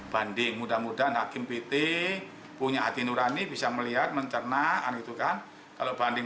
banding mudah mudahan hakim pt punya hati nurani bisa melihat mencernakan gitu kan kalau banding